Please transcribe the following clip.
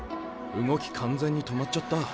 動き完全に止まっちゃった。